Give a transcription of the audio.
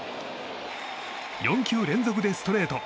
４球連続でストレート。